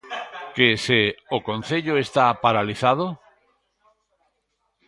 Que se "o concello está paralizado".